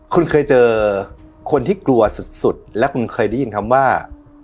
คุณเคยเจอคนที่กลัวสุดและคุณเคยได้ยินคำว่า